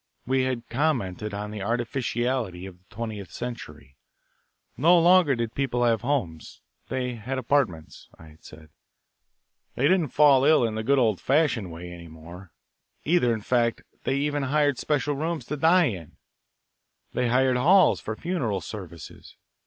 We had commented on the artificiality of the twentieth century. No longer did people have homes; they had apartments, I had said. They didn't fall ill in the good old fashioned way any more, either in fact, they even hired special rooms to die in. They hired halls for funeral services.